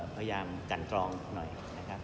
พยายามกันกรองหน่อยนะครับ